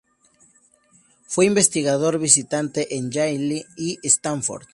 Fue investigador visitante en Yale y Stanford.